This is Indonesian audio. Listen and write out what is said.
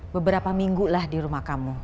beberapa minggu lah di rumah kamu